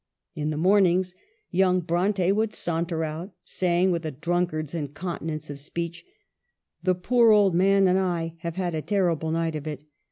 In the mornings young Bronte would saunter out, say ing, with a drunkard's incontinence of speech, ' The poor old man and I have had a terrible night of it.